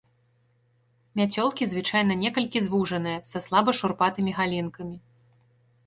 Мяцёлкі звычайна некалькі звужаныя, са слаба шурпатымі галінкамі.